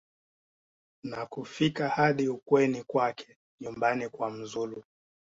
na kufika hadi ukweni kwake nyumbani kwa mzulu